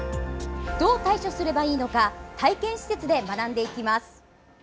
どう対処すればいいのか体験施設で学んでいきます。